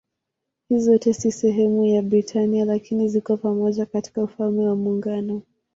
Hizi zote si sehemu ya Britania lakini ziko pamoja katika Ufalme wa Muungano.